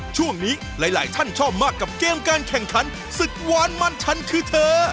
ช่วงนี้หลายท่านชอบมากกับเกมการแข่งขันศึกวานมันฉันคือเธอ